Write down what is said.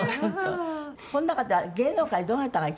この中では芸能界どなたが一番古い？